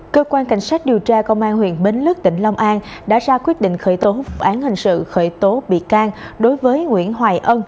cơ quan cảnh sát điều tra công an huyện bến lức tỉnh long an đã ra quyết định khởi tố vụ án hình sự khởi tố bị can đối với nguyễn hoài ân